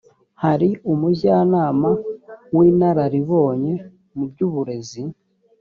hari umujyanama w’inararibonye mu by’uburezi